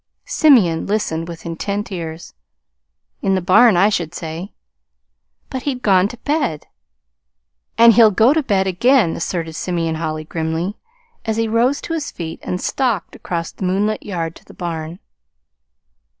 Simeon listened with intent ears. "In the barn, I should say." "But he'd gone to bed!" "And he'll go to bed again," asserted Simeon Holly grimly, as he rose to his feet and stalked across the moonlit yard to the barn.